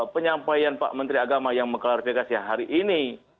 penyampaian pak menteri agama yang mengklarifikasi hari ini